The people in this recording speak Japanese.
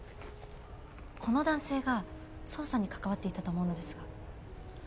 この男性が捜査に関わっていたと思うのですが。